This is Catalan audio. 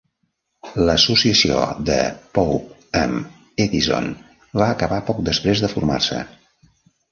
La associació de Pope amb Edison va acabar poc després de formar-se.